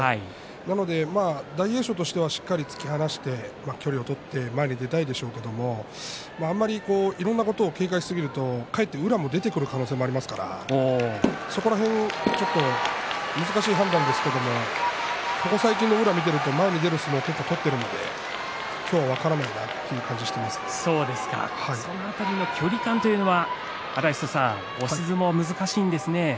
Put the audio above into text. なので大栄翔としては突き放して距離を取って前に出たいでしょうけれどもあんまりいろんなことを警戒しすぎるとかえって宇良も出てくる可能性がありますからそこら辺ちょっと難しい判断ですけどここ最近の宇良を見ていると前に出る相撲で勝ってるので分からないなという感じはその辺りの距離感というのは押し相撲は難しいんですね。